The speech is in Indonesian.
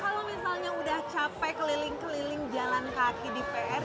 soalnya sudah capek keliling keliling jalan kaki di prj